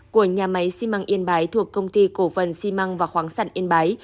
của nhà máy xi măng yên bái thuộc công ty cổ phần xi măng và khoáng sản yên bái